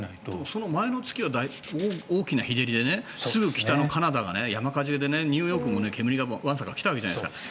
その前の月は大きな日照りですぐ北のカナダが山火事でニューヨークも煙がわんさか来たわけじゃないですか。